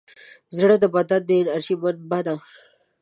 زړه د بدن د انرژۍ منبع ده.